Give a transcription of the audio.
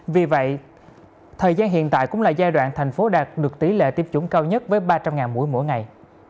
vì vậy thời gian hiện tại cũng là giai đoạn thành phố đạt được tỷ lệ tiêm chủng cao nhất với ba trăm linh mũi mỗi ngày